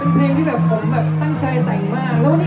ใครร้องได้ช่วยกันร้องด้วยนะ